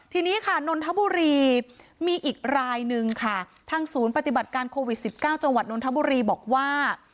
ทีนี้ค่ะนนทบุรีมีอีกรายนึงค่ะทางศูนย์ปฏิบัติการโควิด๑๙จังหวัดนทบุรีบอกว่า